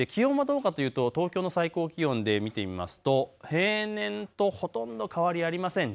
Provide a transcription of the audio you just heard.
気温はどうかというと東京の最高気温で見てみますと平年とほとんど変わりありません。